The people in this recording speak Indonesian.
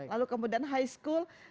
lalu kemudian high school